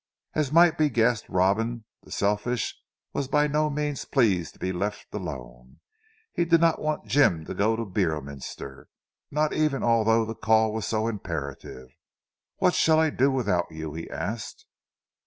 As might be guessed Robin the selfish was by no means pleased to be left alone. He did not want Jim to go to Beorminster, not even although the call was so imperative. "What shall I do without you?" he asked.